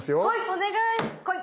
お願い。